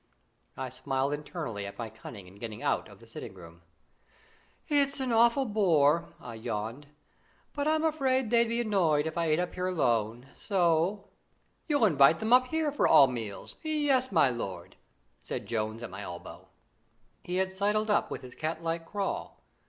I smiled internally at my cunning in getting out of the sitting room. "It's an awful bore," I yawned; "but I'm afraid they'd be annoyed if I ate up here alone, so " "You'll invite them up here for all meals? Yes, my lord," said Jones at my elbow. He had sidled up with his cat like crawl.